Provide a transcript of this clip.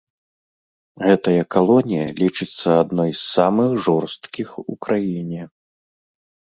Гэтая калонія лічыцца адной з самых жорсткіх у краіне.